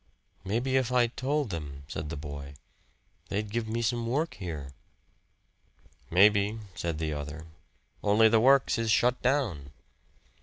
"Maybe if I told them," said the boy, "they'd give me some work here." "Maybe," said the other "only the works is shut down."